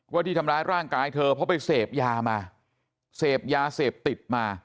ที่ทำร้ายร่างกายเธอเพราะไปเสพยามาเสพยาเสพติดมา